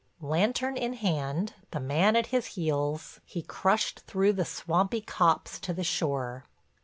Lantern in hand, the man at his heels, he crushed through the swampy copse to the shore.